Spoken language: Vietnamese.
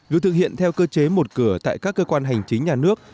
việc thực hiện theo cơ chế một cửa tại các cơ quan hành chính nhà nước